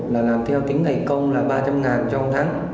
làm theo tính ngày công là ba trăm linh ngàn trong tháng